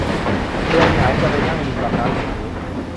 เดือนหงายจะไปนั่งริมลำน้ำแห่งนี้